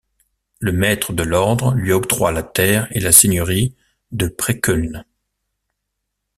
Le maître de l'ordre lui octroie la terre et la seigneurie de Preekuln.